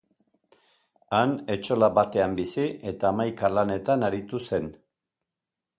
Han etxola batean bizi eta hamaika lanetan aritu zen.